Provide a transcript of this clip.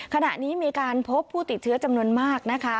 ขณะนี้มีการพบผู้ติดเชื้อจำนวนมากนะคะ